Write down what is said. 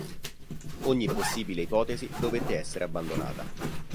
Ogni possibile ipotesi dovette essere abbandonata.